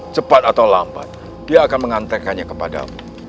cepat atau lambat dia akan mengantekkannya kepadamu